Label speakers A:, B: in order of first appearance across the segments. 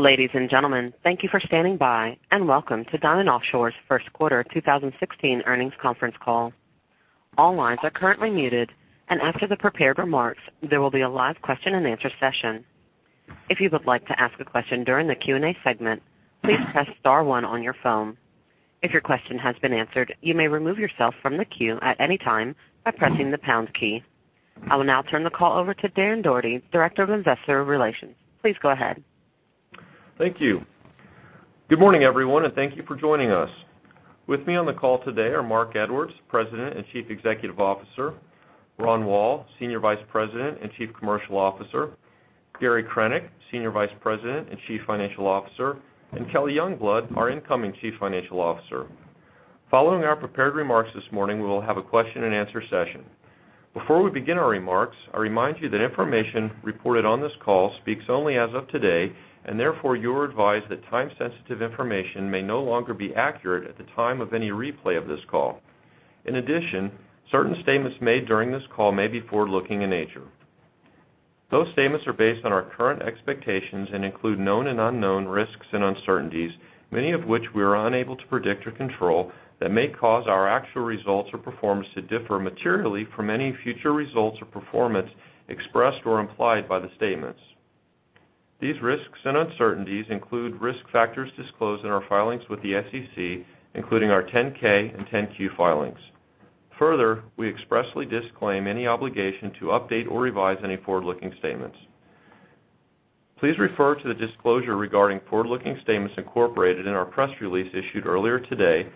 A: Ladies and gentlemen, thank you for standing by, welcome to Diamond Offshore's first quarter 2016 earnings conference call. All lines are currently muted, after the prepared remarks, there will be a live question and answer session. If you would like to ask a question during the Q&A segment, please press star one on your phone. If your question has been answered, you may remove yourself from the queue at any time by pressing the pound key. I will now turn the call over to Darren Daugherty, Director of Investor Relations. Please go ahead.
B: Thank you. Good morning, everyone, thank you for joining us. With me on the call today are Marc Edwards, President and Chief Executive Officer, Ronald Woll, Senior Vice President and Chief Commercial Officer, Gary Krenek, Senior Vice President and Chief Financial Officer, and Kelly Youngblood, our incoming Chief Financial Officer. Following our prepared remarks this morning, we will have a question and answer session. Before we begin our remarks, I remind you that information reported on this call speaks only as of today, and therefore, you are advised that time-sensitive information may no longer be accurate at the time of any replay of this call. In addition, certain statements made during this call may be forward-looking in nature. Those statements are based on our current expectations and include known and unknown risks and uncertainties, many of which we are unable to predict or control that may cause our actual results or performance to differ materially from any future results or performance expressed or implied by the statements. These risks and uncertainties include risk factors disclosed in our filings with the SEC, including our 10-K and 10-Q filings. Further, we expressly disclaim any obligation to update or revise any forward-looking statements. Please refer to the disclosure regarding forward-looking statements incorporated in our press release issued earlier today,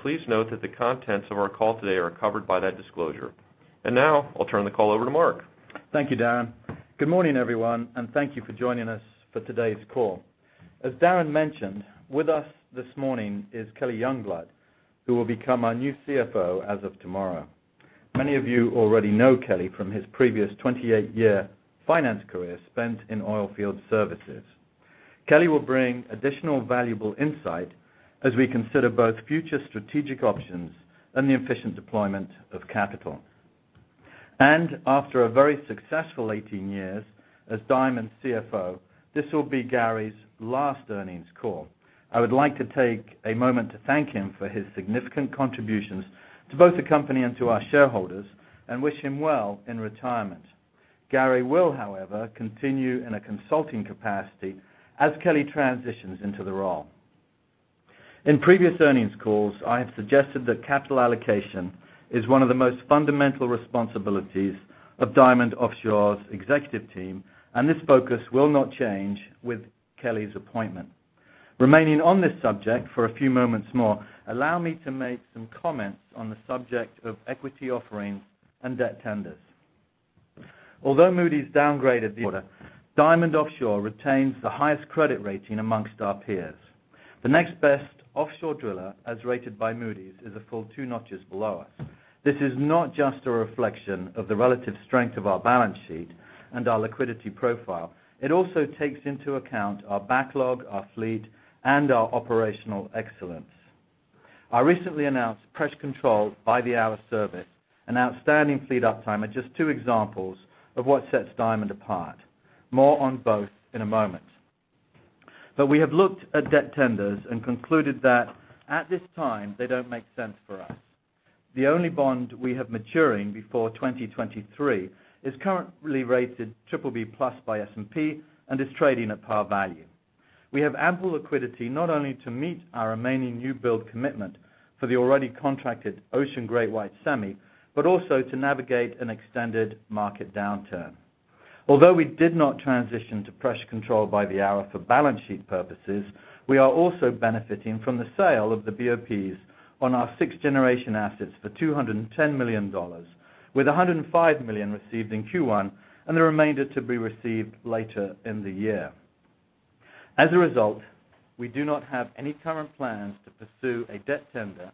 B: please note that the contents of our call today are covered by that disclosure. Now I'll turn the call over to Marc.
C: Thank you, Darren. Good morning, everyone, thank you for joining us for today's call. As Darren mentioned, with us this morning is Kelly Youngblood, who will become our new CFO as of tomorrow. Many of you already know Kelly from his previous 28-year finance career spent in oil field services. Kelly will bring additional valuable insight as we consider both future strategic options and the efficient deployment of capital. After a very successful 18 years as Diamond CFO, this will be Gary's last earnings call. I would like to take a moment to thank him for his significant contributions to both the company and to our shareholders and wish him well in retirement. Gary will, however, continue in a consulting capacity as Kelly transitions into the role. In previous earnings calls, I have suggested that capital allocation is one of the most fundamental responsibilities of Diamond Offshore's executive team, and this focus will not change with Kelly's appointment. Remaining on this subject for a few moments more, allow me to make some comments on the subject of equity offerings and debt tenders. Although Moody's downgraded the driller, Diamond Offshore retains the highest credit rating amongst our peers. The next best offshore driller, as rated by Moody's, is a full two notches below us. This is not just a reflection of the relative strength of our balance sheet and our liquidity profile. It also takes into account our backlog, our fleet, and our operational excellence. Our recently announced pressure control by the hour service and outstanding fleet uptime are just two examples of what sets Diamond apart. More on both in a moment. We have looked at debt tenders and concluded that at this time, they don't make sense for us. The only bond we have maturing before 2023 is currently rated BBB+ by S&P and is trading at par value. We have ample liquidity not only to meet our remaining new build commitment for the already contracted Ocean GreatWhite Semi, but also to navigate an extended market downturn. Although we did not transition to pressure control by the hour for balance sheet purposes, we are also benefiting from the sale of the BOPs on our sixth-generation assets for $210 million, with $105 million received in Q1 and the remainder to be received later in the year. As a result, we do not have any current plans to pursue a debt tender,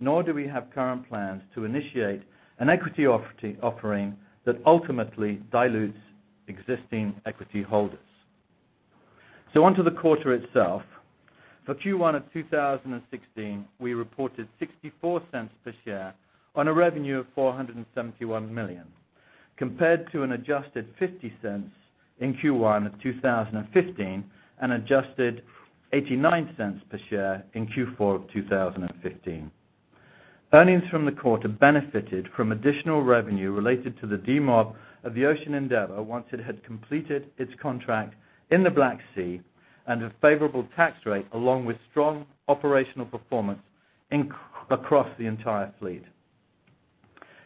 C: nor do we have current plans to initiate an equity offering that ultimately dilutes existing equity holders. On to the quarter itself. For Q1 of 2016, we reported $0.64 per share on a revenue of $471 million, compared to an adjusted $0.50 in Q1 of 2015 and adjusted $0.89 per share in Q4 of 2015. Earnings from the quarter benefited from additional revenue related to the demob of the Ocean Endeavor once it had completed its contract in the Black Sea and a favorable tax rate, along with strong operational performance across the entire fleet.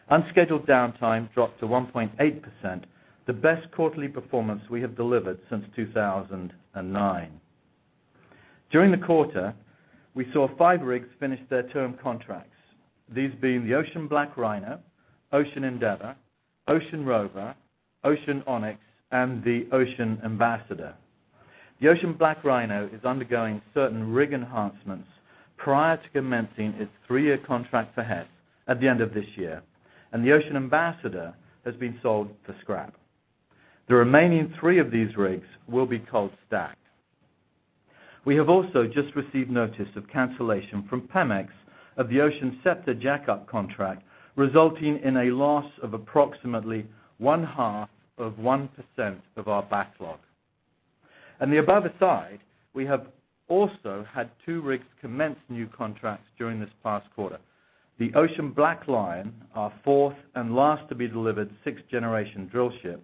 C: Unscheduled downtime dropped to 1.8%, the best quarterly performance we have delivered since 2009. During the quarter, we saw five rigs finish their term contracts, these being the Ocean BlackRhino, Ocean Endeavor, Ocean Rover, Ocean Onyx, and the Ocean Ambassador. The Ocean BlackRhino is undergoing certain rig enhancements prior to commencing its three-year contract for Hess at the end of this year, and the Ocean Ambassador has been sold for scrap. The remaining three of these rigs will be cold stacked. We have also just received notice of cancellation from Pemex of the Ocean Scepter jack-up contract, resulting in a loss of approximately one-half of 1% of our backlog. The above aside, we have also had two rigs commence new contracts during this past quarter. The Ocean BlackLion, our fourth and last to be delivered sixth-generation drillship,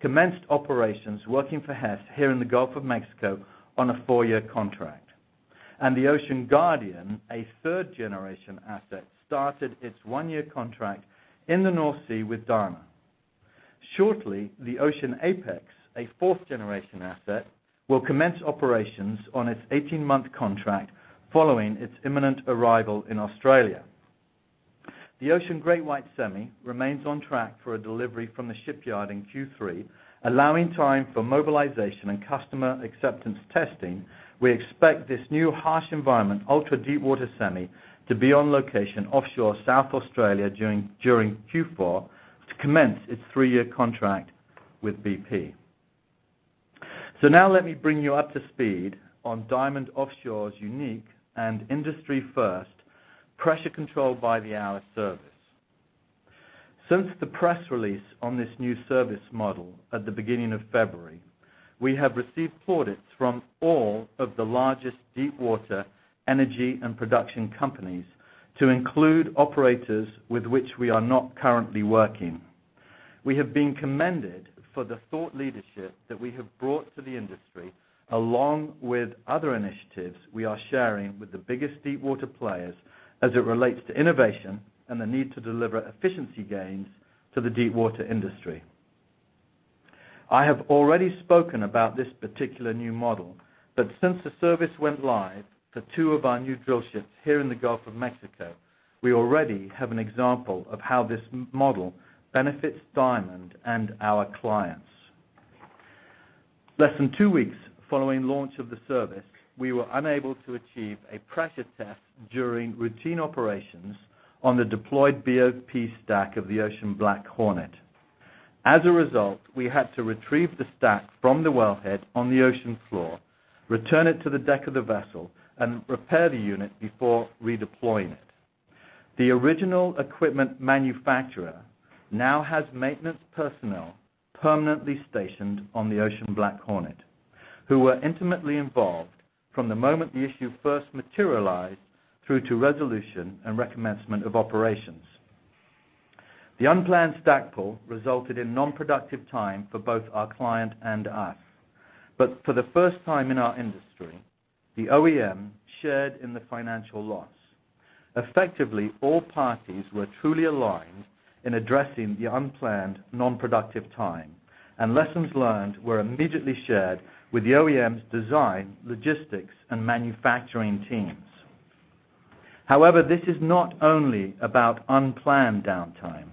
C: commenced operations working for Hess here in the Gulf of Mexico on a four-year contract. The Ocean Guardian, a third-generation asset, started its one-year contract in the North Sea with Dana. Shortly, the Ocean Apex, a fourth-generation asset, will commence operations on its 18-month contract following its imminent arrival in Australia. The Ocean GreatWhite semi remains on track for a delivery from the shipyard in Q3, allowing time for mobilization and customer acceptance testing. We expect this new harsh environment, ultra-deepwater semi to be on location offshore South Australia during Q4 to commence its three-year contract with BP. Now let me bring you up to speed on Diamond Offshore's unique and industry-first pressure control by the hour service. Since the press release on this new service model at the beginning of February, we have received plaudits from all of the largest deepwater energy and production companies to include operators with which we are not currently working. We have been commended for the thought leadership that we have brought to the industry, along with other initiatives we are sharing with the biggest deepwater players as it relates to innovation and the need to deliver efficiency gains to the deepwater industry. I have already spoken about this particular new model, since the service went live for two of our new drill ships here in the Gulf of Mexico, we already have an example of how this model benefits Diamond and our clients. Less than two weeks following launch of the service, we were unable to achieve a pressure test during routine operations on the deployed BOP stack of the Ocean BlackHornet. As a result, we had to retrieve the stack from the wellhead on the ocean floor, return it to the deck of the vessel, and repair the unit before redeploying it. The original equipment manufacturer now has maintenance personnel permanently stationed on the Ocean BlackHornet, who were intimately involved from the moment the issue first materialized through to resolution and recommencement of operations. The unplanned stack pull resulted in non-productive time for both our client and us. For the first time in our industry, the OEM shared in the financial loss. Effectively, all parties were truly aligned in addressing the unplanned non-productive time, and lessons learned were immediately shared with the OEM's design, logistics, and manufacturing teams. This is not only about unplanned downtime.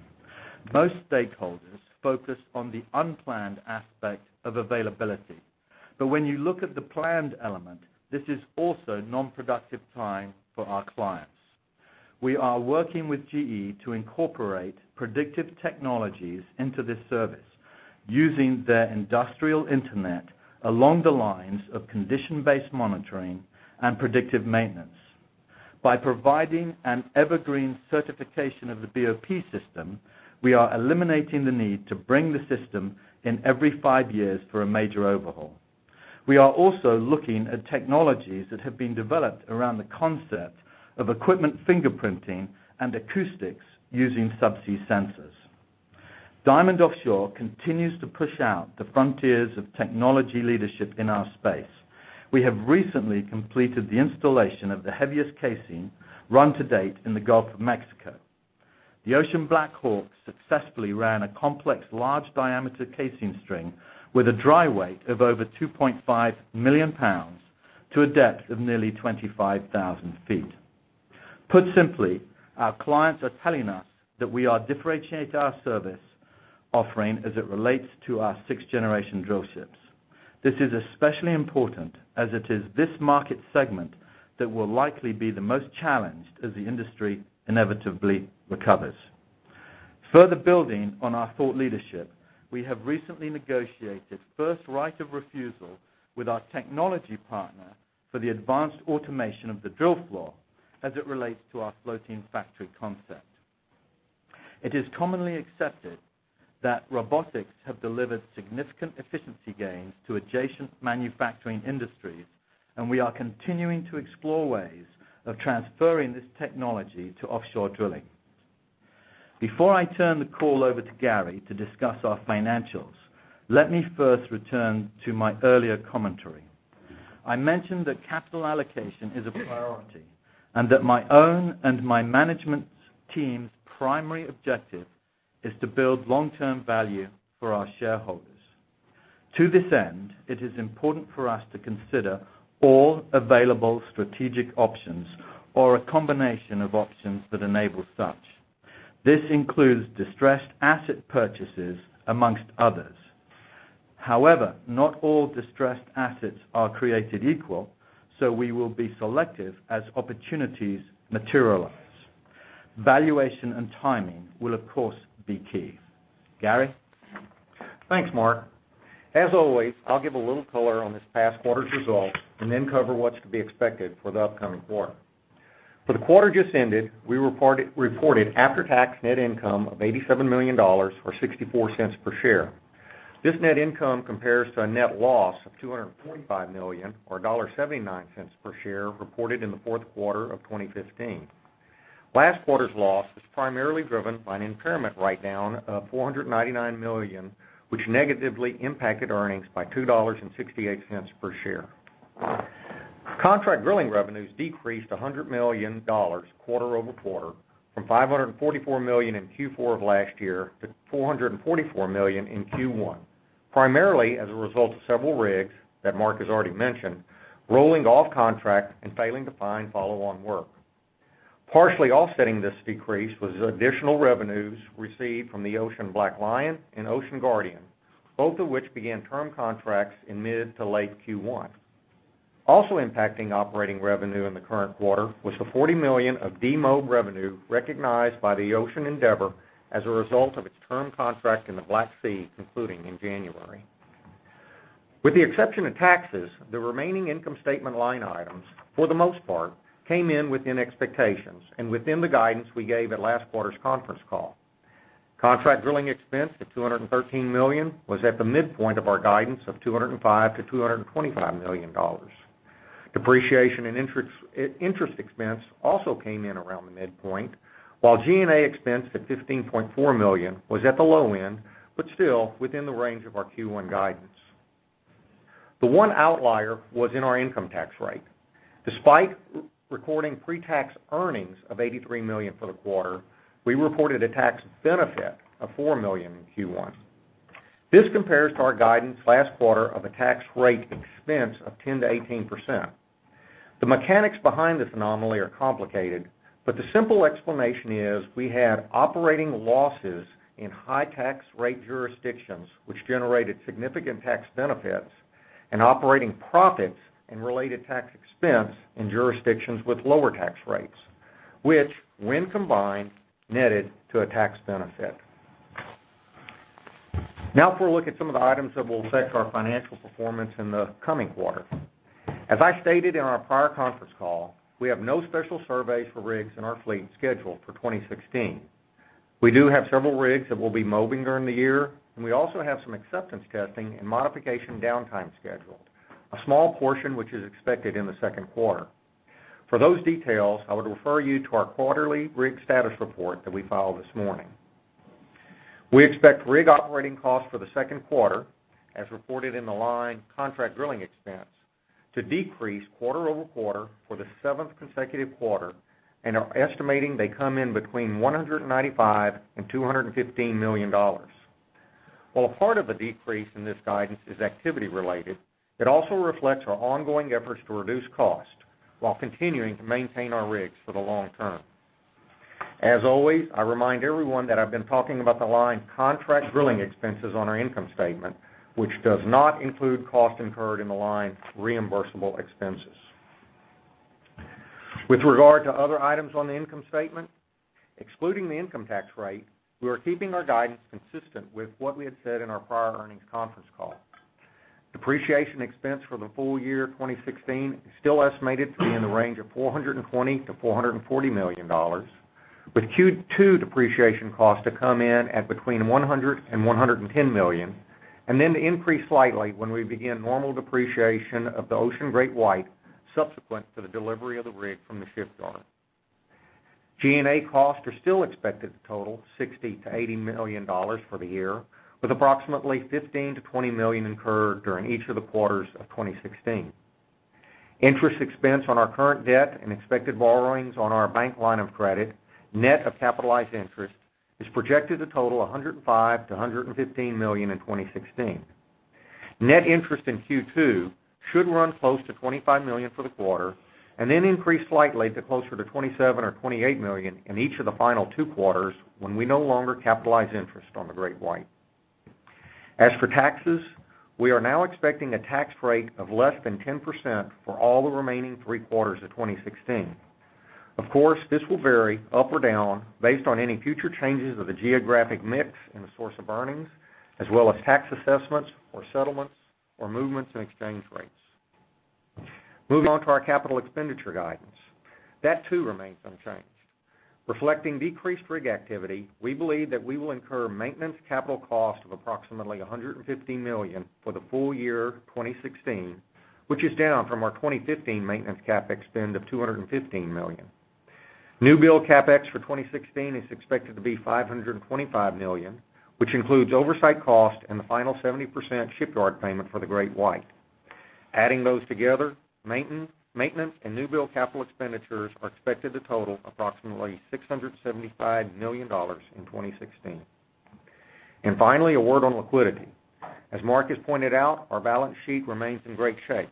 C: Most stakeholders focus on the unplanned aspect of availability. But when you look at the planned element, this is also non-productive time for our clients. We are working with GE to incorporate predictive technologies into this service using their industrial internet along the lines of condition-based monitoring and predictive maintenance. By providing an evergreen certification of the BOP system, we are eliminating the need to bring the system in every five years for a major overhaul. We are also looking at technologies that have been developed around the concept of equipment fingerprinting and acoustics using subsea sensors. Diamond Offshore continues to push out the frontiers of technology leadership in our space. We have recently completed the installation of the heaviest casing run to date in the Gulf of Mexico. The Ocean BlackHawk successfully ran a complex large-diameter casing string with a dry weight of over 2.5 million pounds to a depth of nearly 25,000 feet. Put simply, our clients are telling us that we are differentiating our service offering as it relates to our 6th-generation drill ships. This is especially important as it is this market segment that will likely be the most challenged as the industry inevitably recovers. Further building on our thought leadership, we have recently negotiated first right of refusal with our technology partner for the advanced automation of the drill floor as it relates to our Floating Factory concept. It is commonly accepted that robotics have delivered significant efficiency gains to adjacent manufacturing industries. We are continuing to explore ways of transferring this technology to offshore drilling. Before I turn the call over to Gary to discuss our financials, let me first return to my earlier commentary. I mentioned that capital allocation is a priority and that my own and my management team's primary objective is to build long-term value for our shareholders. To this end, it is important for us to consider all available strategic options or a combination of options that enable such. This includes distressed asset purchases amongst others. Not all distressed assets are created equal. We will be selective as opportunities materialize. Valuation and timing will, of course, be key. Gary?
D: Thanks, Marc. As always, I'll give a little color on this past quarter's results. Then cover what's to be expected for the upcoming quarter. For the quarter just ended, we reported after-tax net income of $87 million, or $0.64 per share. This net income compares to a net loss of $245 million, or $1.79 per share, reported in the fourth quarter of 2015. Last quarter's loss was primarily driven by an impairment write-down of $499 million, which negatively impacted earnings by $2.68 per share. Contract drilling revenues decreased $100 million quarter-over-quarter, from $544 million in Q4 of last year to $444 million in Q1, primarily as a result of several rigs that Marc has already mentioned, rolling off contract and failing to find follow-on work. Partially offsetting this decrease was additional revenues received from the Ocean BlackLion and Ocean Guardian, both of which began term contracts in mid to late Q1. Impacting operating revenue in the current quarter was the $40 million of demob revenue recognized by the Ocean Endeavor as a result of its term contract in the Black Sea, concluding in January. With the exception of taxes, the remaining income statement line items, for the most part, came in within expectations and within the guidance we gave at last quarter's conference call. Contract drilling expense of $213 million was at the midpoint of our guidance of $205 million-$225 million. Depreciation and interest expense also came in around the midpoint, while G&A expense at $15.4 million was at the low end, but still within the range of our Q1 guidance. The one outlier was in our income tax rate. Despite recording pre-tax earnings of $83 million for the quarter, we reported a tax benefit of $4 million in Q1. This compares to our guidance last quarter of a tax rate expense of 10%-18%. The mechanics behind this anomaly are complicated, but the simple explanation is we had operating losses in high tax rate jurisdictions, which generated significant tax benefits, and operating profits and related tax expense in jurisdictions with lower tax rates, which, when combined, netted to a tax benefit. Now for a look at some of the items that will affect our financial performance in the coming quarter. As I stated in our prior conference call, we have no special surveys for rigs in our fleet scheduled for 2016. We do have several rigs that will be mobilizing during the year, and we also have some acceptance testing and modification downtime scheduled, a small portion which is expected in the second quarter. For those details, I would refer you to our quarterly rig status report that we filed this morning. We expect rig operating costs for the second quarter, as reported in the line contract drilling expense, to decrease quarter-over-quarter for the seventh consecutive quarter and are estimating they come in between $195 million-$215 million. While part of the decrease in this guidance is activity-related, it also reflects our ongoing efforts to reduce cost while continuing to maintain our rigs for the long term. As always, I remind everyone that I've been talking about the line contract drilling expenses on our income statement, which does not include costs incurred in the line reimbursable expenses. With regard to other items on the income statement, excluding the income tax rate, we are keeping our guidance consistent with what we had said in our prior earnings conference call. Depreciation expense for the full year 2016 is still estimated to be in the range of $420 million-$440 million, with Q2 depreciation costs to come in at between $100 million-$110 million, and then to increase slightly when we begin normal depreciation of the Ocean GreatWhite subsequent to the delivery of the rig from the shipyard. G&A costs are still expected to total $60 million-$80 million for the year, with approximately $15 million-$20 million incurred during each of the quarters of 2016. Interest expense on our current debt and expected borrowings on our bank line of credit, net of capitalized interest, is projected to total $105 million-$115 million in 2016. Net interest in Q2 should run close to $25 million for the quarter and then increase slightly to closer to $27 or $28 million in each of the final two quarters when we no longer capitalize interest on the GreatWhite. As for taxes, we are now expecting a tax rate of less than 10% for all the remaining three quarters of 2016. Of course, this will vary up or down based on any future changes of the geographic mix and the source of earnings, as well as tax assessments or settlements or movements in exchange rates. Moving on to our capital expenditure guidance. That too remains unchanged. Reflecting decreased rig activity, we believe that we will incur maintenance capital costs of approximately $115 million for the full year 2016, which is down from our 2015 maintenance CapEx spend of $215 million. New-build CapEx for 2016 is expected to be $525 million, which includes oversight costs and the final 70% shipyard payment for the Ocean GreatWhite. Adding those together, maintenance and new-build capital expenditures are expected to total approximately $675 million in 2016. Finally, a word on liquidity. As Marc has pointed out, our balance sheet remains in great shape.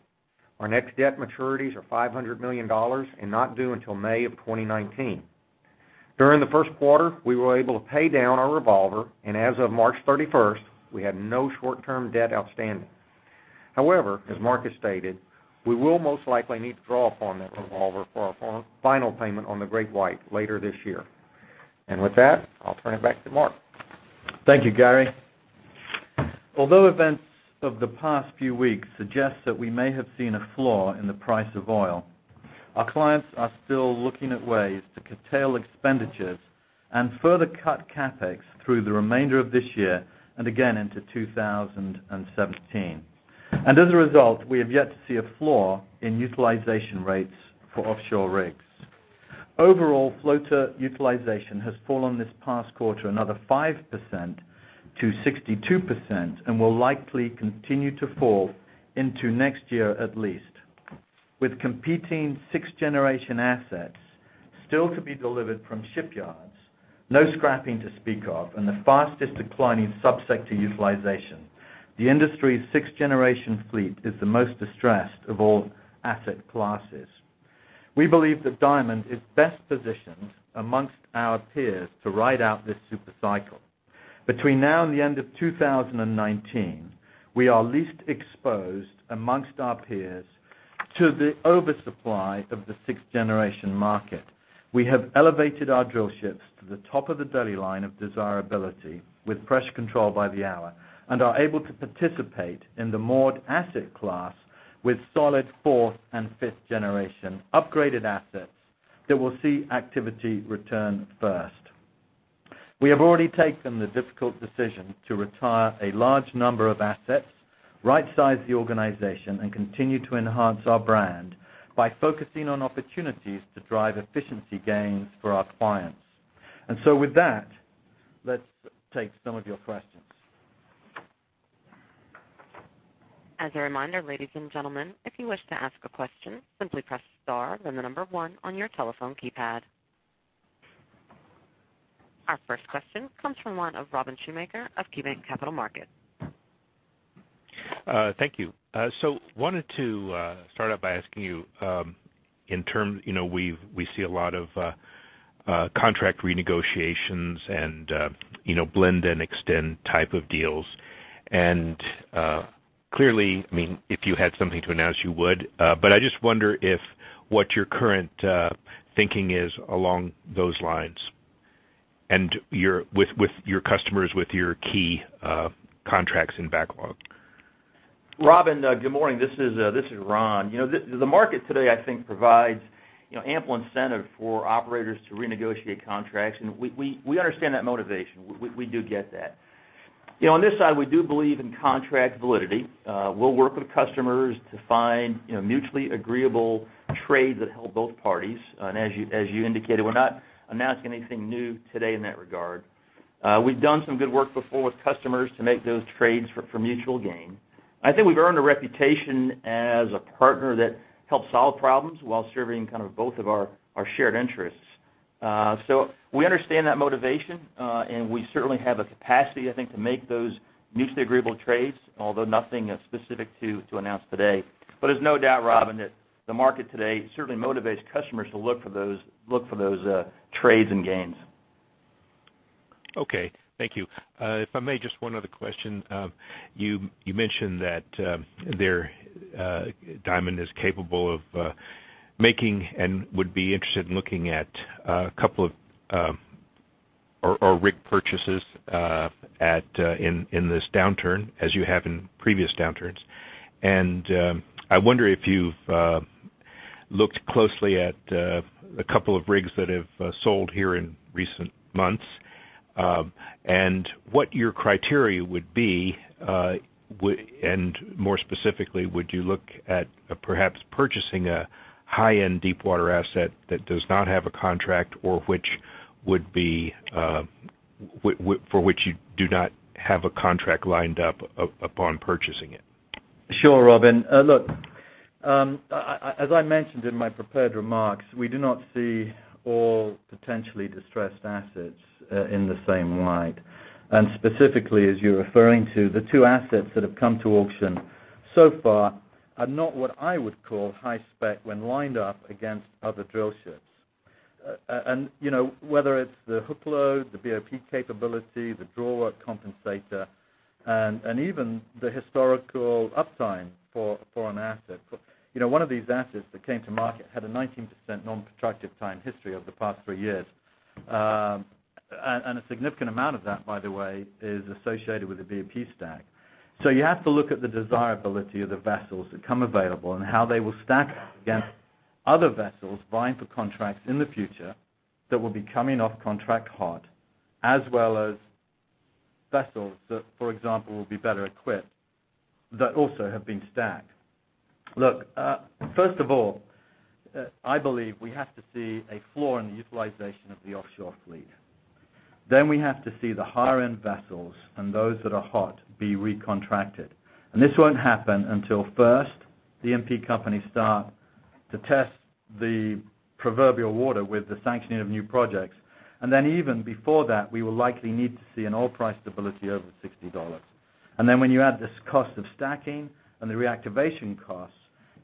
D: Our net debt maturities are $500 million and not due until May of 2019. During the first quarter, we were able to pay down our revolver, and as of March 31st, we had no short-term debt outstanding. However, as Marc has stated, we will most likely need to draw upon that revolver for our final payment on the Ocean GreatWhite later this year. With that, I'll turn it back to Marc.
C: Thank you, Gary. Although events of the past few weeks suggest that we may have seen a flaw in the price of oil, our clients are still looking at ways to curtail expenditures and further cut CapEx through the remainder of this year and again into 2017. As a result, we have yet to see a flaw in utilization rates for offshore rigs. Overall, floater utilization has fallen this past quarter, another 5% to 62%, and will likely continue to fall into next year at least. With competing sixth-generation assets still to be delivered from shipyards, no scrapping to speak of, and the fastest declining sub-sector utilization, the industry's sixth-generation fleet is the most distressed of all asset classes. We believe that Diamond is best positioned amongst our peers to ride out this super cycle. Between now and the end of 2019, we are least exposed amongst our peers to the oversupply of the sixth-generation market. We have elevated our drillships to the top of the dirty line of desirability with pressure control by the hour and are able to participate in the moored asset class with solid fourth and fifth-generation upgraded assets that will see activity return first. We have already taken the difficult decision to retire a large number of assets, right-size the organization, and continue to enhance our brand by focusing on opportunities to drive efficiency gains for our clients. With that, let's take some of your questions.
A: As a reminder, ladies and gentlemen, if you wish to ask a question, simply press star, then the number one on your telephone keypad. Our first question comes from one of Robin Shoemaker of KeyBanc Capital Markets.
E: Thank you. Wanted to start out by asking you, we see a lot of contract renegotiations and blend and extend type of deals and, clearly, if you had something to announce, you would. I just wonder what your current thinking is along those lines and with your customers, with your key contracts in backlog.
F: Robin, good morning. This is Ron. The market today, I think, provides ample incentive for operators to renegotiate contracts, and we understand that motivation. We do get that. On this side, we do believe in contract validity. We'll work with customers to find mutually agreeable trades that help both parties. As you indicated, we're not announcing anything new today in that regard. We've done some good work before with customers to make those trades for mutual gain. I think we've earned a reputation as a partner that helps solve problems while serving both of our shared interests. We understand that motivation, and we certainly have a capacity, I think, to make those mutually agreeable trades, although nothing specific to announce today. There's no doubt, Robin, that the market today certainly motivates customers to look for those trades and gains.
E: Okay. Thank you. If I may, just one other question. You mentioned that Diamond is capable of making and would be interested in looking at a couple of rig purchases in this downturn, as you have in previous downturns. I wonder if you've looked closely at a couple of rigs that have sold here in recent months, and what your criteria would be. More specifically, would you look at perhaps purchasing a high-end deepwater asset that does not have a contract or for which you do not have a contract lined up upon purchasing it?
C: Sure, Robin. Look, as I mentioned in my prepared remarks, we do not see all potentially distressed assets in the same light. Specifically, as you're referring to, the two assets that have come to auction so far are not what I would call high spec when lined up against other drillships. Whether it's the hook load, the BOP capability, the drawwork compensator, and even the historical uptime for an asset. One of these assets that came to market had a 19% non-productive time history over the past three years. A significant amount of that, by the way, is associated with the BOP stack. You have to look at the desirability of the vessels that come available and how they will stack up against other vessels vying for contracts in the future that will be coming off contract hot, as well as vessels that, for example, will be better equipped that also have been stacked. Look, first of all, I believe we have to see a flaw in the utilization of the offshore fleet. We have to see the higher-end vessels and those that are hot be recontracted. This won't happen until first, the E&P companies start to test the proverbial water with the sanctioning of new projects. Even before that, we will likely need to see an oil price stability over $60. When you add this cost of stacking and the reactivation costs,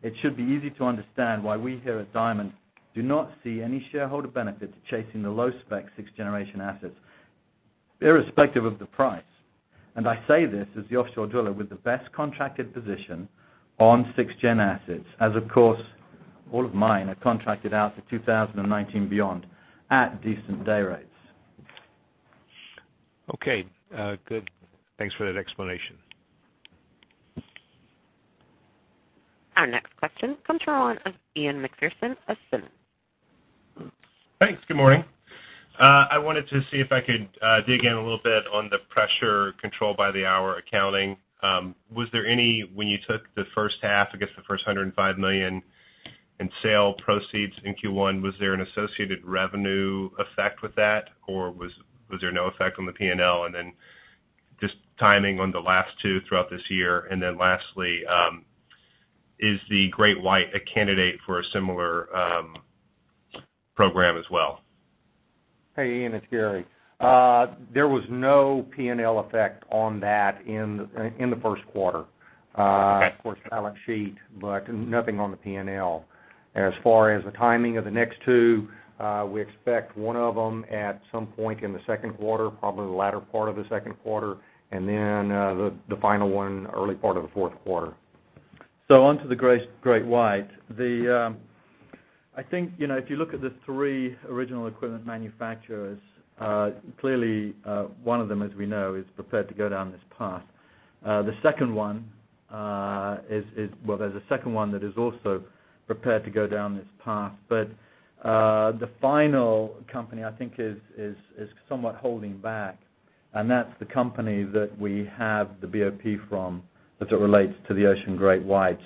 C: it should be easy to understand why we here at Diamond do not see any shareholder benefit to chasing the low-spec sixth-generation assets that Irrespective of the price, and I say this as the offshore driller with the best contracted position on sixth-gen assets, as of course, all of mine are contracted out to 2019 beyond at decent day rates.
E: Okay. Good. Thanks for that explanation.
A: Our next question comes from the line of Ian Macpherson of Simmons.
G: Thanks. Good morning. I wanted to see if I could dig in a little bit on the pressure control by the hour accounting. When you took the first half, I guess the first $105 million in sale proceeds in Q1, was there an associated revenue effect with that, or was there no effect on the P&L? Just timing on the last two throughout this year. Lastly, is the GreatWhite a candidate for a similar program as well?
D: Hey, Ian, it's Gary. There was no P&L effect on that in the first quarter. Of course, balance sheet, but nothing on the P&L. As far as the timing of the next two, we expect one of them at some point in the second quarter, probably the latter part of the second quarter, the final one, early part of the fourth quarter.
C: Onto the GreatWhite. I think, if you look at the three original equipment manufacturers, clearly, one of them, as we know, is prepared to go down this path. Well, there's a second one that is also prepared to go down this path. The final company, I think is somewhat holding back, and that's the company that we have the BOP from as it relates to the Ocean GreatWhite.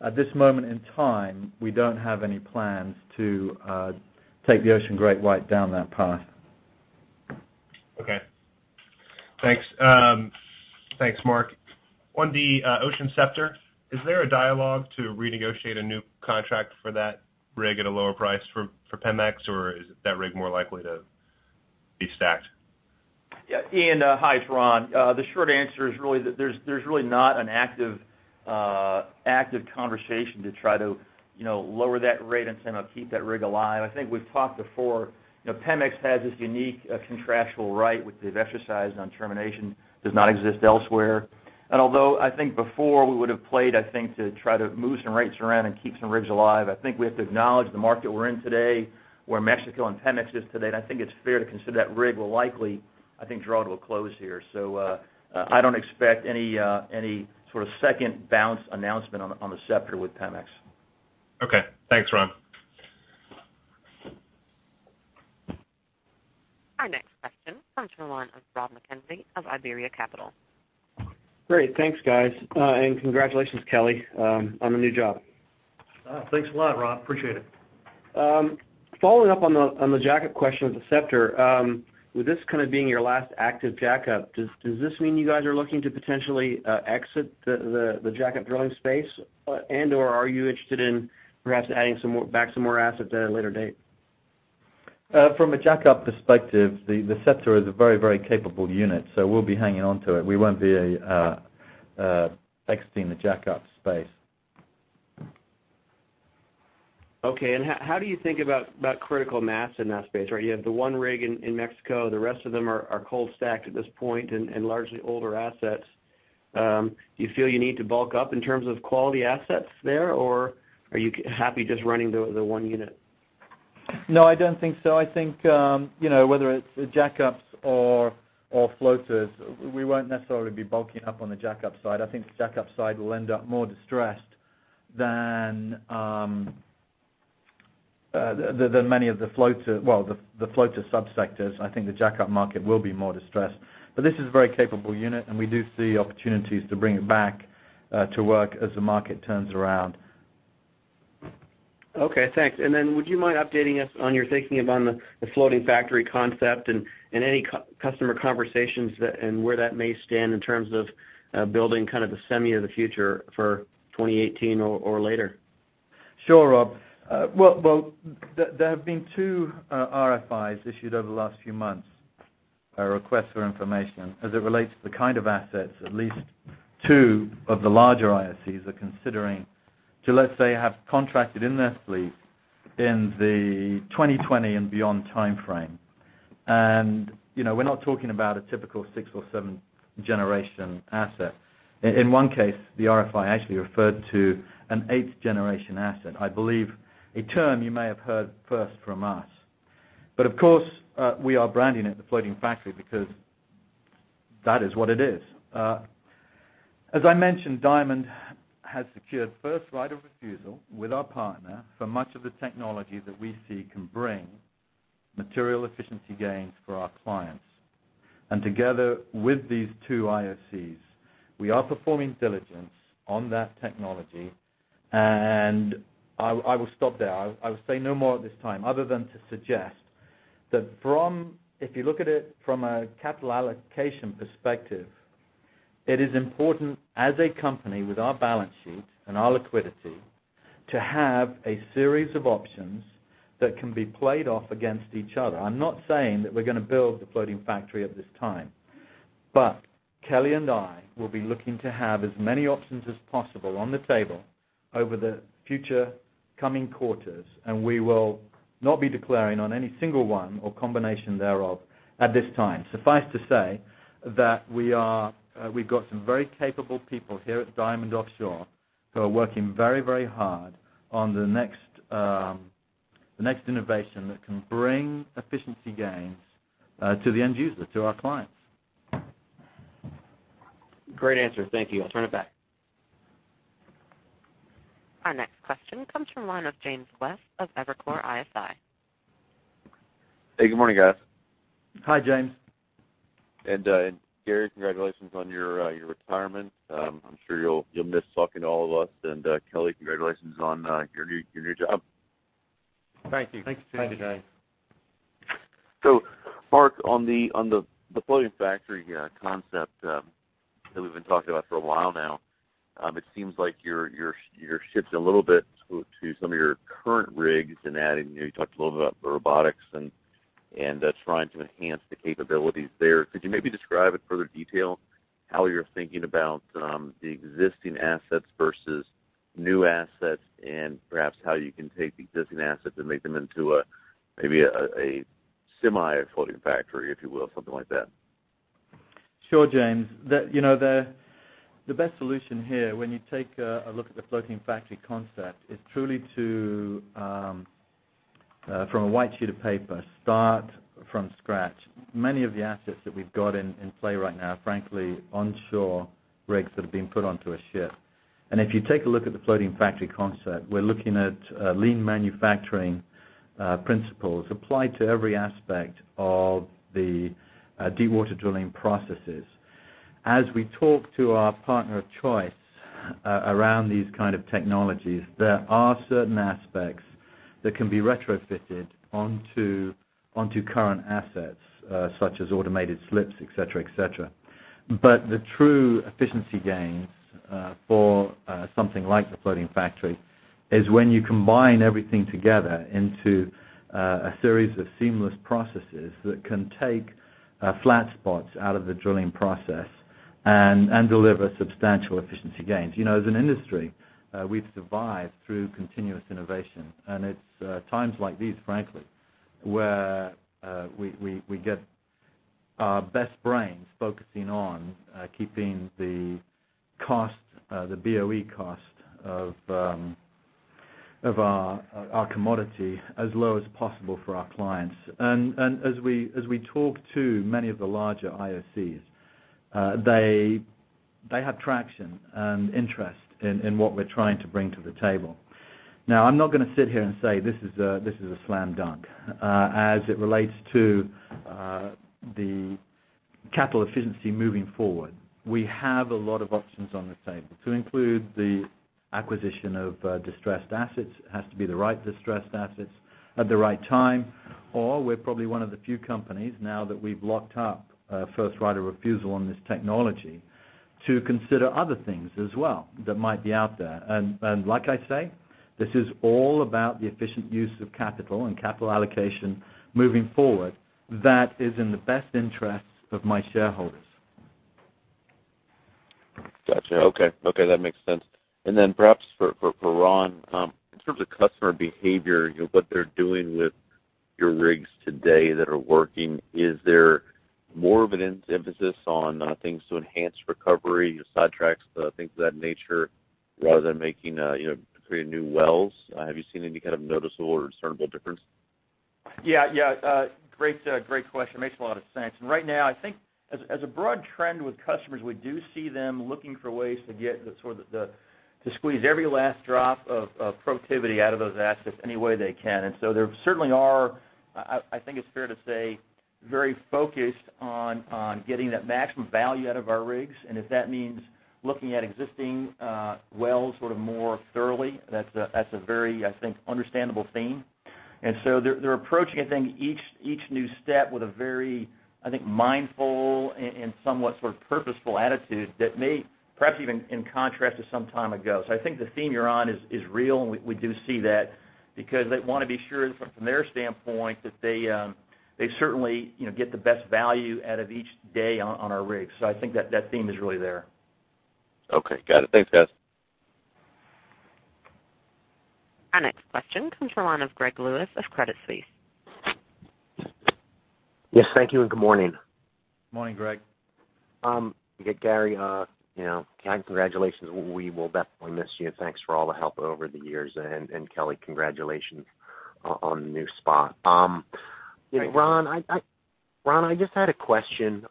C: At this moment in time, we don't have any plans to take the Ocean GreatWhite down that path.
G: Okay. Thanks. Thanks, Marc. On the Ocean Scepter, is there a dialogue to renegotiate a new contract for that rig at a lower price for Pemex, or is that rig more likely to be stacked?
F: Yeah, Ian. Hi, it's Ron. The short answer is there's really not an active conversation to try to lower that rate and keep that rig alive. I think we've talked before, Pemex has this unique contractual right which they've exercised on termination, does not exist elsewhere. Although I think before we would have played, I think, to try to move some rates around and keep some rigs alive, I think we have to acknowledge the market we're in today, where Mexico and Pemex is today, and I think it's fair to consider that rig will likely, I think, draw to a close here. I don't expect any sort of second bounce announcement on the Scepter with Pemex.
G: Okay. Thanks, Ron.
A: Our next question comes from the line of Rob MacKenzie of Iberia Capital.
H: Great. Thanks, guys. Congratulations, Kelly, on the new job.
I: Thanks a lot, Rob. Appreciate it.
H: Following up on the jack-up question of the Scepter. With this kind of being your last active jack-up, does this mean you guys are looking to potentially exit the jack-up drilling space, and/or are you interested in perhaps adding back some more assets at a later date?
C: From a jack-up perspective, the Scepter is a very capable unit, so we'll be hanging on to it. We won't be exiting the jack-up space.
H: Okay. How do you think about critical mass in that space? You have the one rig in Mexico. The rest of them are cold stacked at this point and largely older assets. Do you feel you need to bulk up in terms of quality assets there, or are you happy just running the one unit?
C: No, I don't think so. I think, whether it's jackups or floaters, we won't necessarily be bulking up on the jackup side. I think the jackup side will end up more distressed than many of the floater sub-sectors. I think the jackup market will be more distressed. This is a very capable unit, and we do see opportunities to bring it back to work as the market turns around.
H: Okay, thanks. Would you mind updating us on your thinking on the Floating Factory concept and any customer conversations and where that may stand in terms of building kind of the semi of the future for 2018 or later?
C: Sure, Rob. Well, there have been two RFIs issued over the last few months, request for information, as it relates to the kind of assets at least two of the larger IOCs are considering to, let's say, have contracted in their fleet in the 2020 and beyond timeframe. We're not talking about a typical six or seven generation asset. In one case, the RFI actually referred to an eighth generation asset. I believe a term you may have heard first from us. Of course, we are branding it the Floating Factory because that is what it is. As I mentioned, Diamond has secured first right of refusal with our partner for much of the technology that we see can bring material efficiency gains for our clients. Together with these two IOCs, we are performing diligence on that technology. I will stop there. I will say no more at this time other than to suggest that if you look at it from a capital allocation perspective, it is important as a company with our balance sheet and our liquidity to have a series of options that can be played off against each other. I'm not saying that we're going to build the Floating Factory at this time. Kelly and I will be looking to have as many options as possible on the table over the future coming quarters, and we will not be declaring on any single one or combination thereof at this time. Suffice to say that we've got some very capable people here at Diamond Offshore who are working very hard on the next innovation that can bring efficiency gains to the end user, to our clients.
H: Great answer. Thank you. I'll turn it back.
A: Our next question comes from the line of James West of Evercore ISI.
J: Hey, good morning, guys.
C: Hi, James.
J: Gary, congratulations on your retirement. I'm sure you'll miss talking to all of us. Kelly, congratulations on your new job.
I: Thank you. Thank you, James.
J: Marc, on the Floating Factory concept that we've been talking about for a while now, it seems like you're shifted a little bit to some of your current rigs and adding. You talked a little bit about the robotics and trying to enhance the capabilities there. Could you maybe describe in further detail how you're thinking about the existing assets versus new assets, and perhaps how you can take the existing assets and make them into maybe a semi-Floating Factory, if you will, something like that?
C: Sure, James. The best solution here when you take a look at the Floating Factory concept is truly to, from a white sheet of paper, start from scratch. Many of the assets that we've got in play right now are frankly onshore rigs that have been put onto a ship. If you take a look at the Floating Factory concept, we're looking at lean manufacturing principles applied to every aspect of the deepwater drilling processes. As we talk to our partner of choice around these kind of technologies, there are certain aspects that can be retrofitted onto current assets, such as automated slips, et cetera. The true efficiency gains for something like the Floating Factory is when you combine everything together into a series of seamless processes that can take flat spots out of the drilling process and deliver substantial efficiency gains. As an industry, we've survived through continuous innovation, it's times like these, frankly, where we get our best brains focusing on keeping the BOE cost of our commodity as low as possible for our clients. As we talk to many of the larger IOCs, they have traction and interest in what we're trying to bring to the table. I'm not going to sit here and say this is a slam dunk. As it relates to the capital efficiency moving forward, we have a lot of options on the table to include the acquisition of distressed assets. It has to be the right distressed assets at the right time, or we're probably one of the few companies, now that we've locked up first right of refusal on this technology, to consider other things as well that might be out there. Like I say, this is all about the efficient use of capital and capital allocation moving forward that is in the best interest of my shareholders.
J: Got you. Okay, that makes sense. Perhaps for Ron, in terms of customer behavior, what they're doing with your rigs today that are working, is there more of an emphasis on things to enhance recovery, sidetracks, things of that nature, rather than creating new wells? Have you seen any kind of noticeable or discernible difference?
F: Yeah. Great question. Makes a lot of sense. Right now, I think as a broad trend with customers, we do see them looking for ways to squeeze every last drop of profitability out of those assets any way they can. There certainly are, I think it's fair to say, very focused on getting that maximum value out of our rigs. If that means looking at existing wells more thoroughly, that's a very, I think, understandable theme. They're approaching, I think, each new step with a very, I think, mindful and somewhat purposeful attitude that may perhaps even in contrast to some time ago. I think the theme you're on is real, and we do see that because they want to be sure from their standpoint that they certainly get the best value out of each day on our rigs. I think that theme is really there.
J: Okay. Got it. Thanks, guys.
A: Our next question comes from the line of Greg Lewis of Credit Suisse.
K: Thank you and good morning.
C: Morning, Greg.
K: Gary, congratulations. We will definitely miss you. Thanks for all the help over the years. Kelly, congratulations on the new spot.
I: Thank you.
K: Ron, I just had a question.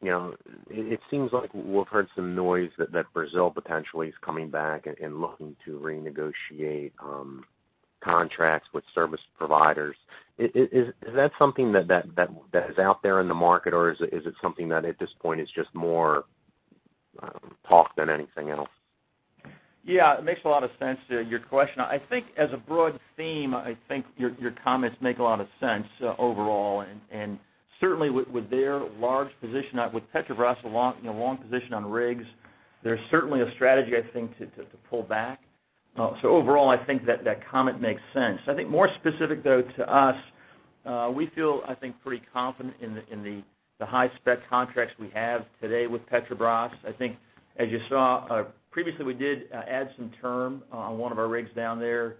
K: It seems like we've heard some noise that Brazil potentially is coming back and looking to renegotiate contracts with service providers. Is that something that is out there in the market, or is it something that at this point is just more talk than anything else?
F: Yeah. It makes a lot of sense, your question. I think as a broad theme, I think your comments make a lot of sense overall, and certainly with their large position, with Petrobras' long position on rigs, there's certainly a strategy, I think, to pull back. Overall, I think that comment makes sense. I think more specific though to us, we feel, I think, pretty confident in the high-spec contracts we have today with Petrobras. I think as you saw previously, we did add some term on one of our rigs down there,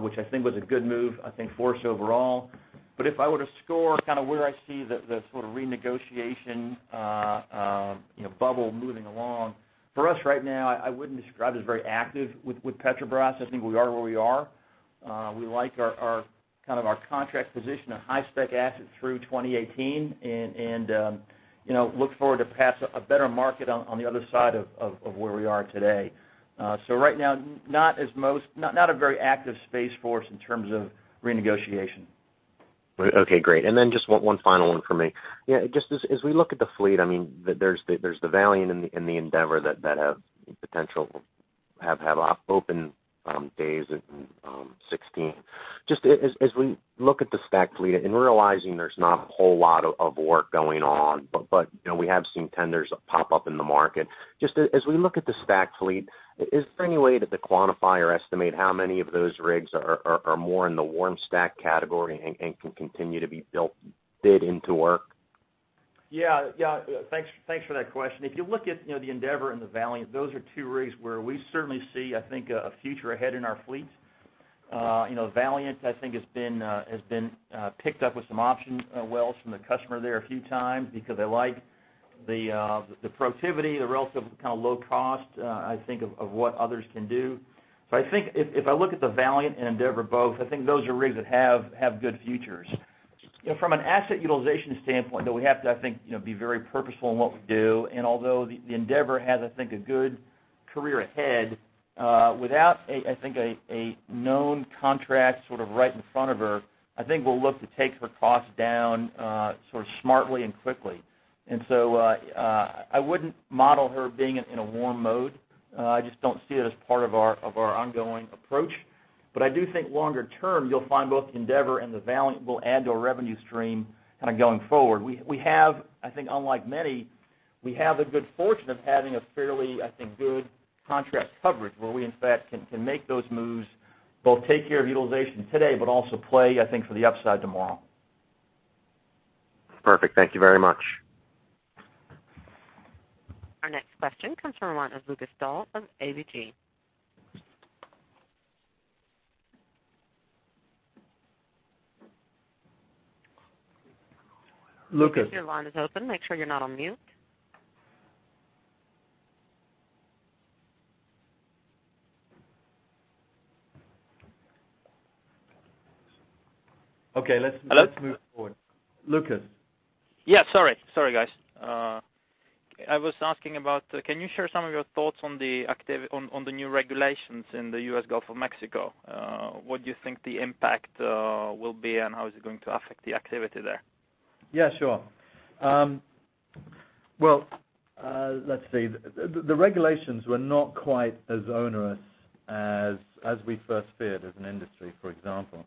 F: which I think was a good move, I think, for us overall. If I were to score where I see the sort of renegotiation bubble moving along, for us right now, I wouldn't describe it as very active with Petrobras. I think we are where we are. We like our contract position on high-spec assets through 2018 and look forward to pass a better market on the other side of where we are today. Right now, not a very active space for us in terms of renegotiation.
K: Okay, great. Then just one final one from me. Just as we look at the fleet, there's the Ocean Valiant and the Ocean Endeavor that have potential, have had open days in 2016. Just as we look at the stack fleet and realizing there's not a whole lot of work going on, but we have seen tenders pop up in the market. Just as we look at the stack fleet, is there any way that the quantify or estimate how many of those rigs are more in the warm stack category and can continue to be bid into work?
F: Yeah. Thanks for that question. If you look at the Ocean Endeavor and the Ocean Valiant, those are two rigs where we certainly see, I think, a future ahead in our fleet. Ocean Valiant, I think has been picked up with some option wells from the customer there a few times because they like the productivity, the relative kind of low cost, I think of what others can do. I think if I look at the Ocean Valiant and Ocean Endeavor both, I think those are rigs that have good futures. From an asset utilization standpoint, though, we have to, I think, be very purposeful in what we do. Although the Ocean Endeavor has, I think, a good career ahead, without a known contract sort of right in front of her, I think we'll look to take her cost down sort of smartly and quickly. I wouldn't model her being in a warm mode. I just don't see it as part of our ongoing approach. I do think longer term, you'll find both Ocean Endeavor and the Ocean Valiant will add to our revenue stream kind of going forward. We have, I think, unlike many, we have the good fortune of having a fairly, I think, good contract coverage where we in fact can make those moves, both take care of utilization today, but also play, I think, for the upside tomorrow.
K: Perfect. Thank you very much.
A: Our next question comes from one of Lukas Daul of ABG.
F: Lukas.
A: Lukas, your line is open. Make sure you're not on mute.
F: Okay. Hello? move forward. Lukas.
L: Yeah, sorry. Sorry, guys. I was asking about, can you share some of your thoughts on the new regulations in the U.S. Gulf of Mexico? What do you think the impact will be, and how is it going to affect the activity there?
C: Yeah, sure. Well, let's see. The regulations were not quite as onerous as we first feared as an industry, for example.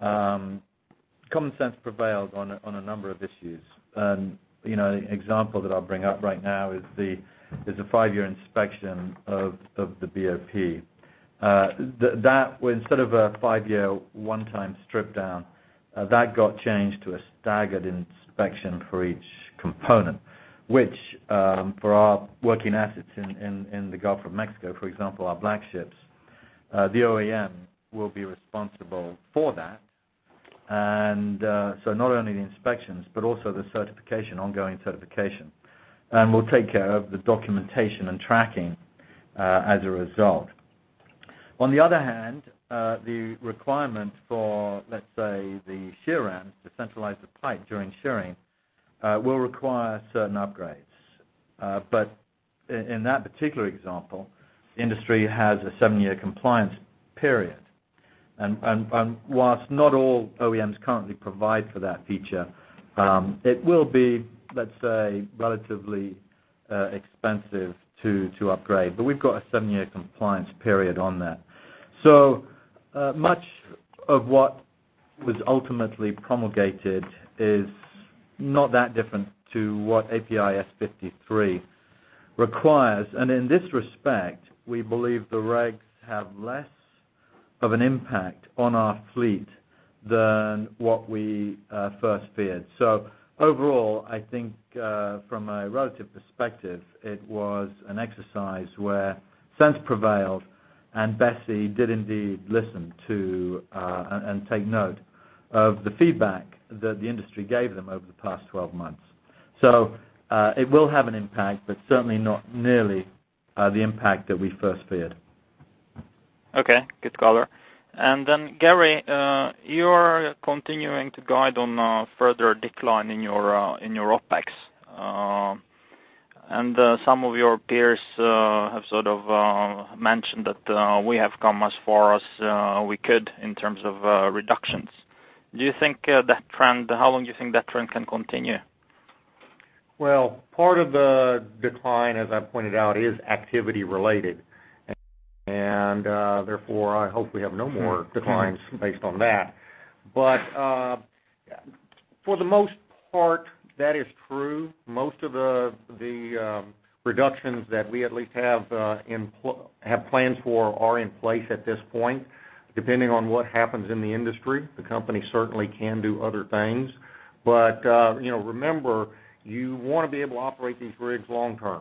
C: Common sense prevailed on a number of issues. An example that I'll bring up right now is the five-year inspection of the BOP. That was sort of a five-year one-time strip down. That got changed to a staggered inspection for each component, which for our working assets in the Gulf of Mexico, for example, our BlackShips, the OEM will be responsible for that. Not only the inspections, but also the certification, ongoing certification. We'll take care of the documentation and tracking as a result. On the other hand, the requirement for, let's say, the shear rams to centralize the pipe during shearing will require certain upgrades. In that particular example, the industry has a seven-year compliance period. Whilst not all OEMs currently provide for that feature, it will be, let's say, relatively expensive to upgrade. We've got a seven-year compliance period on that. Much of what was ultimately promulgated is not that different to what API S53 requires. In this respect, we believe the regs have less of an impact on our fleet than what we first feared. Overall, I think from a relative perspective, it was an exercise where sense prevailed and BSEE did indeed listen to and take note of the feedback that the industry gave them over the past 12 months. It will have an impact, but certainly not nearly the impact that we first feared.
L: Okay. Good color. Then Gary, you're continuing to guide on a further decline in your OpEx. Some of your peers have sort of mentioned that we have come as far as we could in terms of reductions. How long do you think that trend can continue?
D: Well, part of the decline, as I pointed out, is activity related. Therefore, I hope we have no more declines based on that. For the most part, that is true. Most of the reductions that we at least have plans for are in place at this point. Depending on what happens in the industry, the company certainly can do other things. Remember, you want to be able to operate these rigs long term,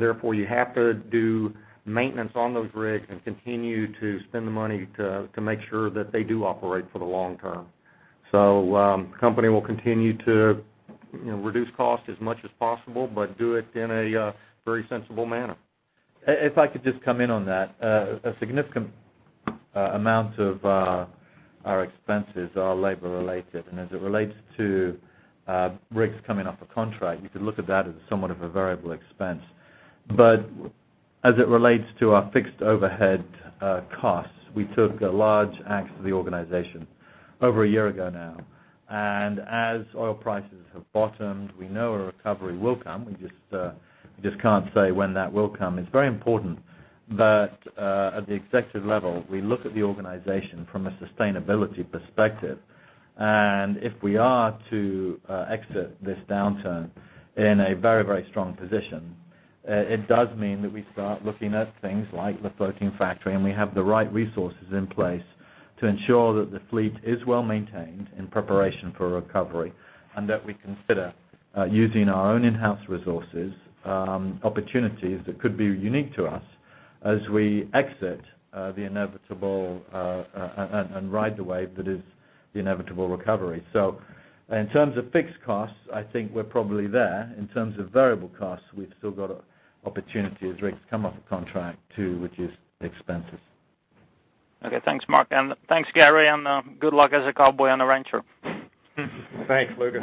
D: therefore you have to do maintenance on those rigs and continue to spend the money to make sure that they do operate for the long term. The company will continue to reduce cost as much as possible, but do it in a very sensible manner.
C: If I could just come in on that. A significant amount of our expenses are labor related, as it relates to rigs coming off a contract, you could look at that as somewhat of a variable expense. As it relates to our fixed overhead costs, we took a large axe to the organization over a year ago now. As oil prices have bottomed, we know a recovery will come. We just can't say when that will come. It's very important that at the executive level, we look at the organization from a sustainability perspective. If we are to exit this downturn in a very strong position, it does mean that we start looking at things like the Floating Factory, we have the right resources in place to ensure that the fleet is well-maintained in preparation for a recovery, that we consider using our own in-house resources, opportunities that could be unique to us as we exit the inevitable and ride the wave that is the inevitable recovery. In terms of fixed costs, I think we're probably there. In terms of variable costs, we've still got opportunity as rigs come off of contract to reduce the expenses.
L: Okay. Thanks, Marc, and thanks, Gary, and good luck as a cowboy on a rancher.
D: Thanks, Lukas.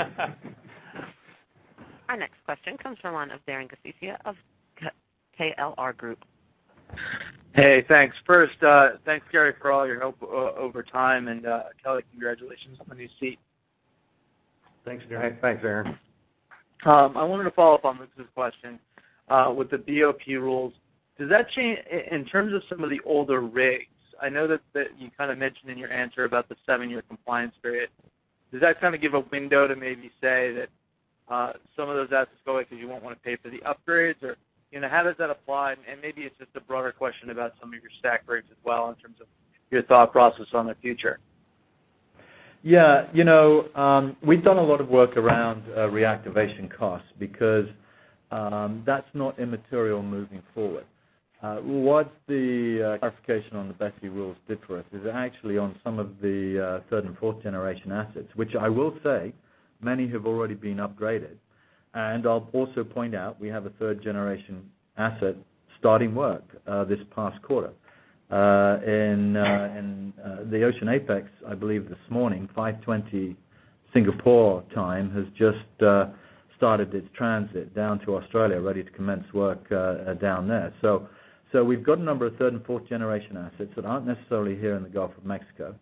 A: Our next question comes from the line of Darren Gacicia of KLR Group.
M: Hey, thanks. First, thanks, Gary, for all your help over time, and Kelly, congratulations on your seat.
C: Thanks, Darren.
D: Thanks, Darren.
M: I wanted to follow up on this question with the BOP rules. In terms of some of the older rigs, I know that you kind of mentioned in your answer about the seven-year compliance period. Does that kind of give a window to maybe say that some of those assets go away because you won't want to pay for the upgrades? Or how does that apply? Maybe it's just a broader question about some of your stack rigs as well in terms of your thought process on the future.
C: Yeah. We've done a lot of work around reactivation costs because that's not immaterial moving forward. What the clarification on the BSEE rules did for us is actually on some of the third and fourth generation assets, which I will say many have already been upgraded. I'll also point out we have a third generation asset starting work this past quarter. The Ocean Apex, I believe this morning, 5:20 A.M. Singapore time, has just started its transit down to Australia, ready to commence work down there. We've got a number of third and fourth generation assets that aren't necessarily here in the Gulf of Mexico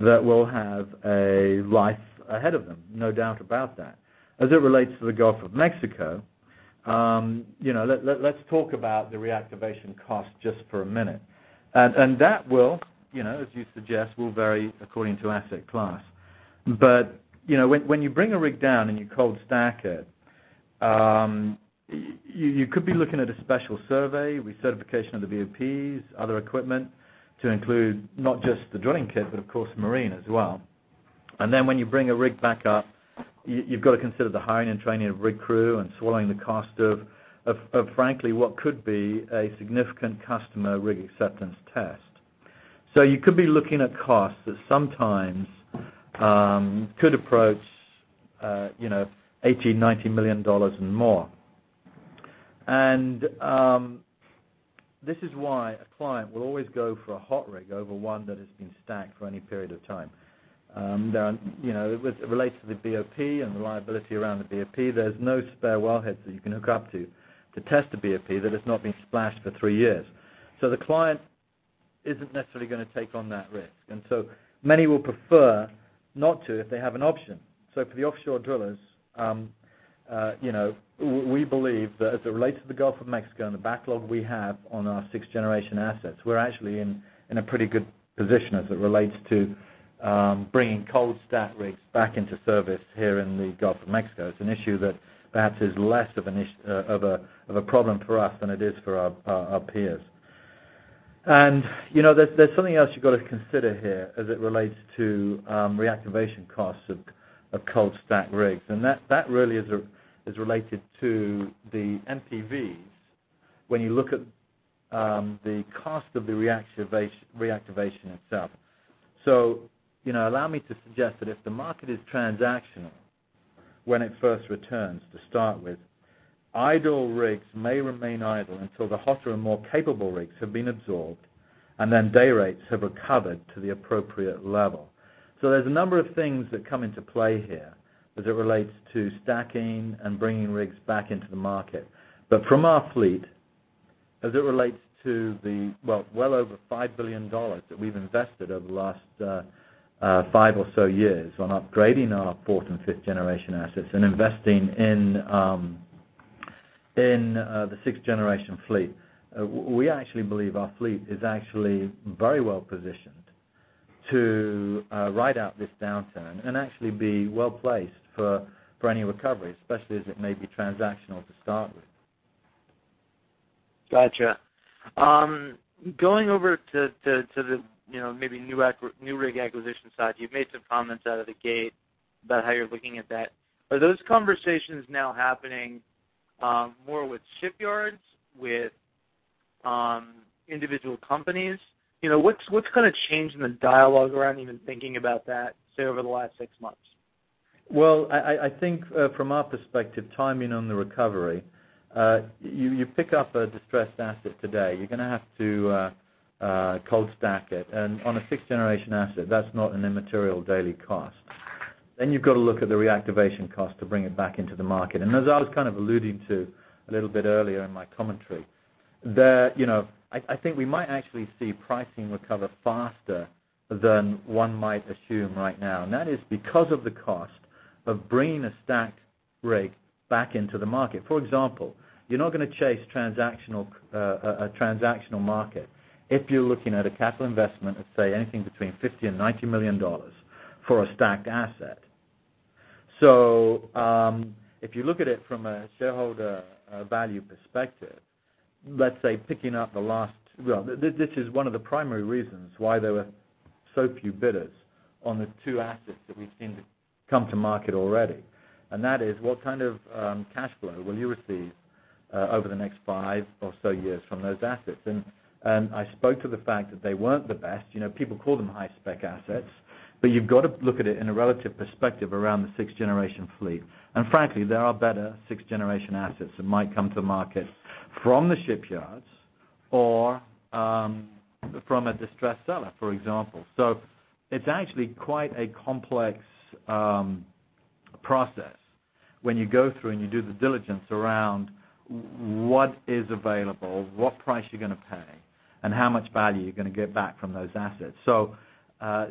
C: that will have a life ahead of them. No doubt about that. As it relates to the Gulf of Mexico, let's talk about the reactivation cost just for a minute. That will, as you suggest, will vary according to asset class. When you bring a rig down and you cold stack it, you could be looking at a special survey, recertification of the BOPs, other equipment to include not just the drilling kit, but of course, marine as well. Then when you bring a rig back up, you've got to consider the hiring and training of rig crew and swallowing the cost of, frankly, what could be a significant customer rig acceptance test. You could be looking at costs that sometimes could approach $18 million, $19 million and more. This is why a client will always go for a hot rig over one that has been stacked for any period of time. It relates to the BOP and the liability around the BOP. There's no spare wellhead that you can hook up to test a BOP that has not been splashed for three years. The client isn't necessarily going to take on that risk, and so many will prefer not to if they have an option. For the offshore drillers we believe that as it relates to the Gulf of Mexico and the backlog we have on our sixth-generation assets, we're actually in a pretty good position as it relates to bringing cold stacked rigs back into service here in the Gulf of Mexico. It's an issue that perhaps is less of a problem for us than it is for our peers. There's something else you got to consider here as it relates to reactivation costs of cold stacked rigs, and that really is related to the NPVs when you look at the cost of the reactivation itself. Allow me to suggest that if the market is transactional when it first returns to start with, idle rigs may remain idle until the hotter and more capable rigs have been absorbed, and then day rates have recovered to the appropriate level. There's a number of things that come into play here as it relates to stacking and bringing rigs back into the market. From our fleet, as it relates to the, well over $5 billion that we've invested over the last five or so years on upgrading our fourth and fifth generation assets and investing in the sixth-generation fleet. We actually believe our fleet is actually very well positioned to ride out this downturn and actually be well-placed for any recovery, especially as it may be transactional to start with.
M: Got you. Going over to the maybe new rig acquisition side, you've made some comments out of the gate about how you're looking at that. Are those conversations now happening more with shipyards, with individual companies? What's changed in the dialogue around even thinking about that, say, over the last six months?
C: Well, I think from our perspective, timing on the recovery, you pick up a distressed asset today, you're going to have to cold stack it. On a sixth-generation asset, that's not an immaterial daily cost. You've got to look at the reactivation cost to bring it back into the market. As I was kind of alluding to a little bit earlier in my commentary, I think we might actually see pricing recover faster than one might assume right now. That is because of the cost of bringing a stacked rig back into the market. For example, you're not going to chase a transactional market if you're looking at a capital investment of, say, anything between $50 million and $90 million for a stacked asset. If you look at it from a shareholder value perspective, this is one of the primary reasons why there were so few bidders on the two assets that we've seen come to market already. That is what kind of cash flow will you receive over the next five or so years from those assets? I spoke to the fact that they weren't the best. People call them high-spec assets. You've got to look at it in a relative perspective around the sixth-generation fleet. Frankly, there are better sixth-generation assets that might come to market from the shipyards or from a distressed seller, for example. It's actually quite a complex process when you go through and you do the diligence around what is available, what price you're going to pay, and how much value you're going to get back from those assets.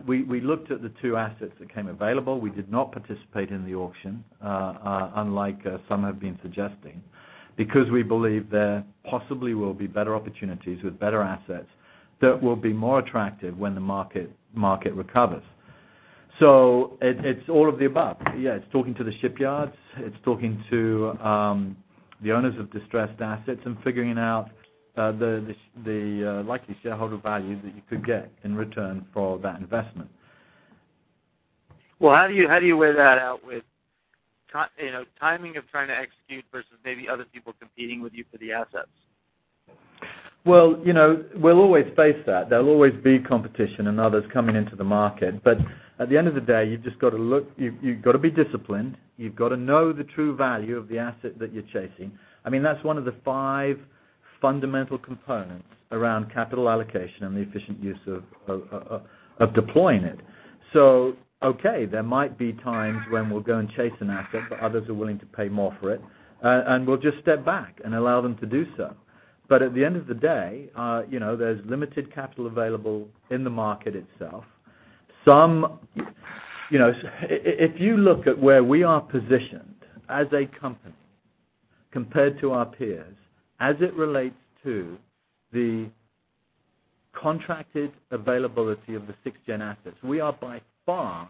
C: We looked at the two assets that came available. We did not participate in the auction, unlike some have been suggesting, because we believe there possibly will be better opportunities with better assets that will be more attractive when the market recovers. It's all of the above. Yeah, it's talking to the shipyards. It's talking to the owners of distressed assets and figuring out the likely shareholder value that you could get in return for that investment.
M: Well, how do you weigh that out with timing of trying to execute versus maybe other people competing with you for the assets?
C: Well, we'll always face that. There'll always be competition and others coming into the market. At the end of the day, you've got to be disciplined. You've got to know the true value of the asset that you're chasing. That's one of the five fundamental components around capital allocation and the efficient use of deploying it. Okay, there might be times when we'll go and chase an asset, but others are willing to pay more for it. We'll just step back and allow them to do so. At the end of the day, there's limited capital available in the market itself. If you look at where we are positioned as a company compared to our peers, as it relates to the contracted availability of the 6th-gen assets, we are by far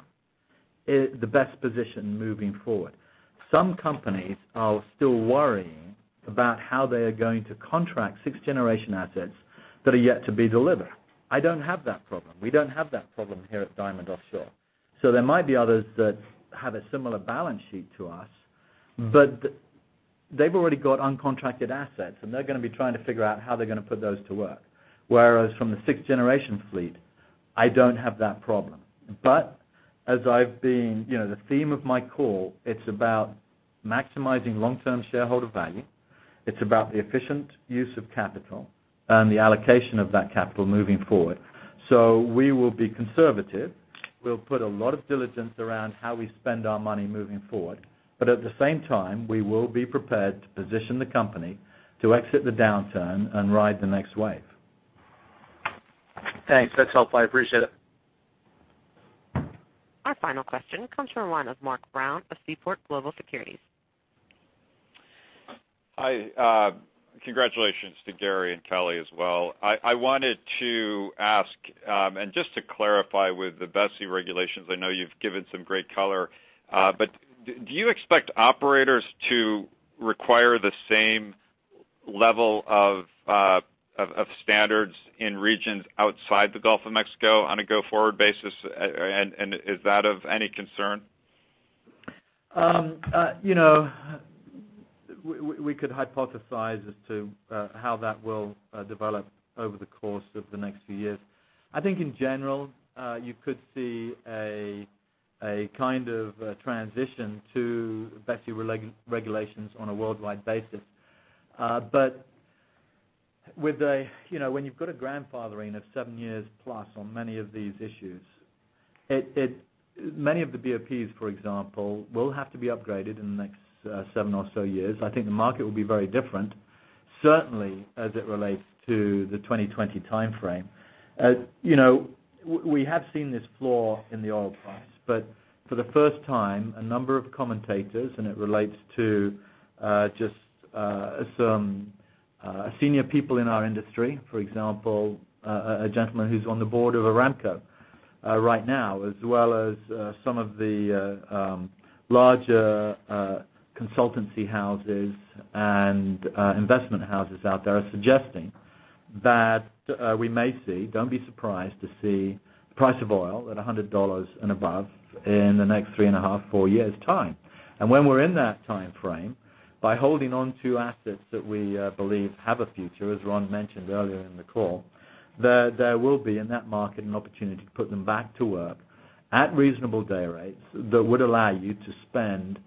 C: the best positioned moving forward. Some companies are still worrying about how they are going to contract 6th-generation assets that are yet to be delivered. I don't have that problem. We don't have that problem here at Diamond Offshore. There might be others that have a similar balance sheet to us, but they've already got uncontracted assets, and they're going to be trying to figure out how they're going to put those to work. Whereas from the 6th-generation fleet, I don't have that problem. As I've been the theme of my call, it's about maximizing long-term shareholder value. It's about the efficient use of capital and the allocation of that capital moving forward. We will be conservative. We'll put a lot of diligence around how we spend our money moving forward. At the same time, we will be prepared to position the company to exit the downturn and ride the next wave.
M: Thanks. That's helpful. I appreciate it.
A: Our final question comes from the line of Mark Brown of Seaport Global Securities.
N: Hi. Congratulations to Gary and Kelly as well. I wanted to ask, just to clarify with the BSEE regulations, I know you've given some great color. Do you expect operators to require the same level of standards in regions outside the Gulf of Mexico on a go-forward basis? Is that of any concern?
C: We could hypothesize as to how that will develop over the course of the next few years. I think in general, you could see a kind of transition to BSEE regulations on a worldwide basis. When you've got a grandfathering of 7+ years on many of these issues, many of the BOPs, for example, will have to be upgraded in the next seven or so years. I think the market will be very different Certainly as it relates to the 2020 timeframe. We have seen this fall in the oil price, for the first time, a number of commentators, and it relates to just some senior people in our industry, for example, a gentleman who's on the board of Aramco right now, as well as some of the larger consultancy houses and investment houses out there are suggesting that we may see, don't be surprised to see, price of oil at $100 and above in the next three and a half, four years' time. When we're in that timeframe, by holding on to assets that we believe have a future, as Ron mentioned earlier in the call, there will be in that market an opportunity to put them back to work at reasonable day rates that would allow you to spend,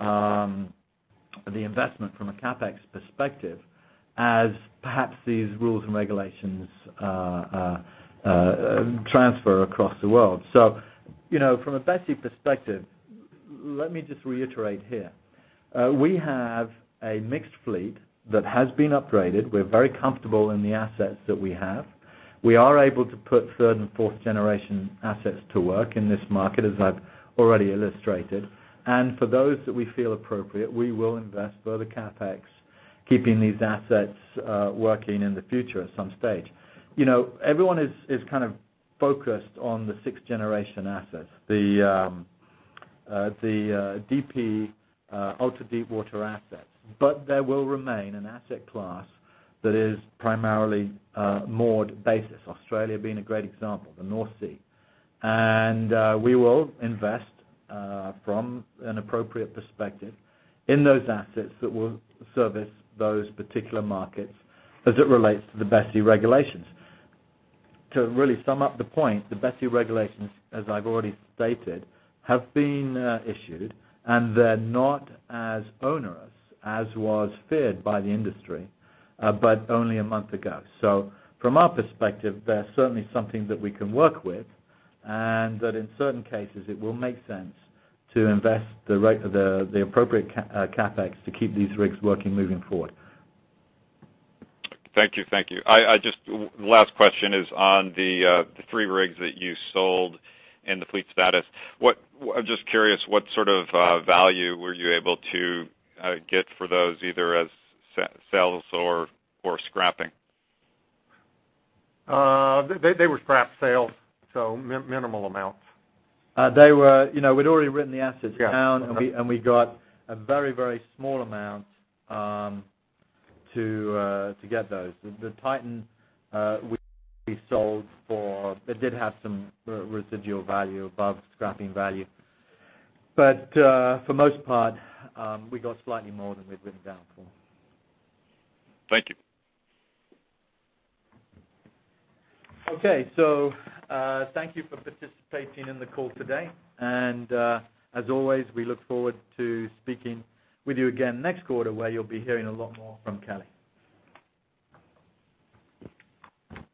C: the investment from a CapEx perspective as perhaps these rules and regulations transfer across the world. From a BSEE perspective, let me just reiterate here. We have a mixed fleet that has been upgraded. We're very comfortable in the assets that we have. We are able to put third and fourth generation assets to work in this market, as I've already illustrated. For those that we feel appropriate, we will invest further CapEx, keeping these assets working in the future at some stage. Everyone is kind of focused on the sixth generation assets, the DP ultra-deepwater assets. There will remain an asset class that is primarily moored basis, Australia being a great example, the North Sea. We will invest from an appropriate perspective in those assets that will service those particular markets as it relates to the BSEE regulations. To really sum up the point, the BSEE regulations, as I've already stated, have been issued. They're not as onerous as was feared by the industry, only a month ago. From our perspective, they're certainly something that we can work with, that in certain cases it will make sense to invest the appropriate CapEx to keep these rigs working moving forward.
N: Thank you. Last question is on the three rigs that you sold and the fleet status. I'm just curious, what sort of value were you able to get for those, either as sales or scrapping?
D: They were scrap sales, minimal amounts.
C: We'd already written the assets down.
D: Yeah
C: We got a very small amount to get those. The Titan we sold for. It did have some residual value above scrapping value. For most part, we got slightly more than we'd written down for.
N: Thank you.
C: Okay, thank you for participating in the call today. As always, we look forward to speaking with you again next quarter where you'll be hearing a lot more from Kelly.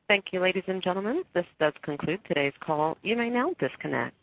A: Thank you, ladies and gentlemen. This does conclude today's call. You may now disconnect.